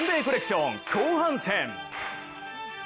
後半戦。